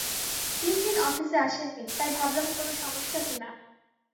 তিন দিন অফিসে আসেন নি, তাই ভাবলাম কোনো সমস্যা কি-না।